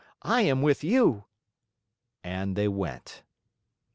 I am with you." And they went.